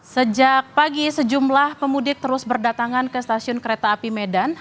sejak pagi sejumlah pemudik terus berdatangan ke stasiun kereta api medan